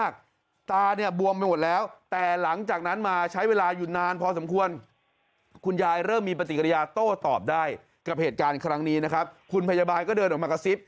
คุณพยาบาลก็เดินออกมากระซิบ